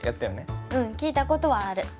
うん聞いたことはある。